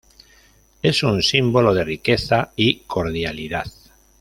Es un símbolo de riqueza y cordialidad.